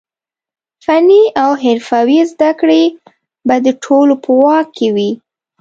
فني او حرفوي زده کړې به د ټولو په واک کې وي.